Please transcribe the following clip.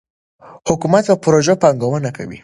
حکومت په پروژو پانګونه کوي.